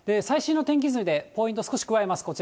最新の天気図でポイント少し加えます。